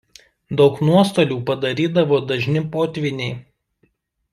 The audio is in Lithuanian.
Daug nuostolių padarydavo dažni potvyniai.